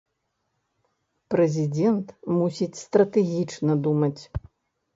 Прэзідэнт мусіць стратэгічна думаць.